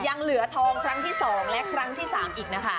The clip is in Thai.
ยังเหลือทองครั้งที่๒และครั้งที่๓อีกนะคะ